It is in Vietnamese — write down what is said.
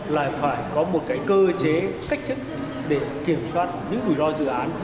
lại phải có một cái cơ chế cách thức để kiểm soát những rủi ro dự án